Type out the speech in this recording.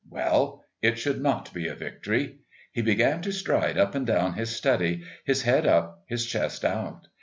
Well, it should not be a victory. He began to stride up and down his study, his head up, his chest out.